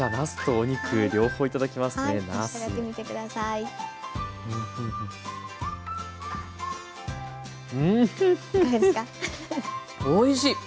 おいしい！